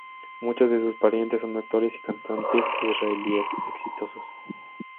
Muchos de sus parientes son actores y cantantes israelíes exitosos.